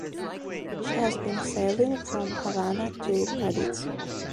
She had been sailing from Havana to Cadiz.